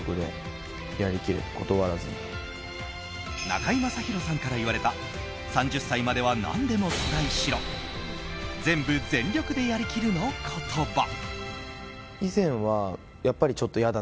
中居正広さんから言われた３０歳までは何でもトライしろ全部、全力でやりきるの言葉。